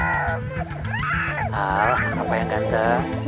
al kenapa yang ganteng